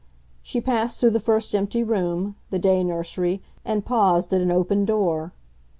She passed through the first empty room, the day nursery, and paused at an open door.